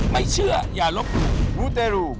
ไม่เชื่ออย่าลบหลู่มูเตรู